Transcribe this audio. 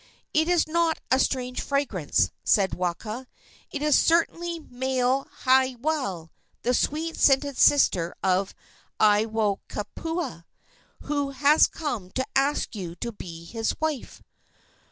"It is not a strange fragrance," said Waka. "It is certainly Maile haiwale, the sweet scented sister of Aiwohikupua, who has come to ask you to be his wife."